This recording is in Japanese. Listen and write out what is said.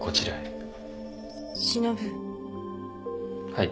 はい。